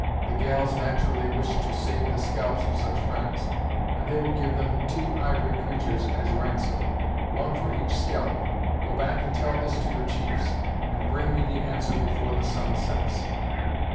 The gals nat'rally wish to save the scalps of such fri'nds, and they will give them two ivory creaturs, as ransom. One for each scalp. Go back and tell this to your chiefs, and bring me the answer before the sun sets."